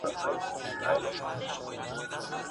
یو وړوکی ځنګل را ګرځېدلی دی ,